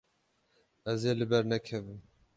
Ez ê li ber nekevim.